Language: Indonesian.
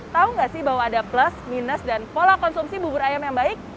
tahu nggak sih bahwa ada plus minus dan pola konsumsi bubur ayam yang baik